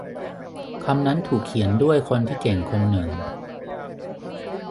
คำนั้นถูกเขียนด้วยคนที่เก่งคนหนึ่ง